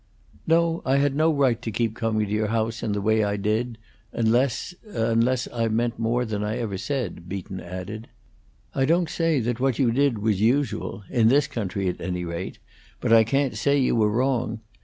"No, I had no right to keep coming to your house in the way I did, unless unless I meant more than I ever said." Beaton added: "I don't say that what you did was usual in this country, at any rate; but I can't say you were wrong.